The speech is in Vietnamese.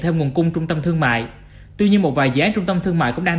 theo nguồn cung trung tâm thương mại tuy nhiên một vài dự án trung tâm thương mại cũng đang